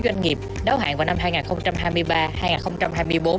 doanh nghiệp đáo hạn vào năm hai nghìn hai mươi ba hai nghìn hai mươi bốn